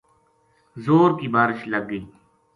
زور کی بارش لگ گئی